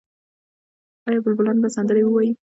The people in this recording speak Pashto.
آیا بلبلان به سندرې ووايي؟